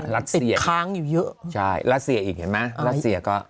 รัสเซียค้างอยู่เยอะใช่รัสเซียอีกเห็นไหมรัสเซียก็